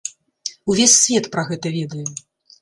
Увесь свет пра гэта ведае.